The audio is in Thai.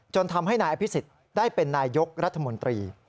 ทำให้นายอภิษฎได้เป็นนายยกรัฐมนตรี